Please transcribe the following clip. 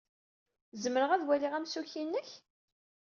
Zemreɣ ad waliɣ amsukki-nnek?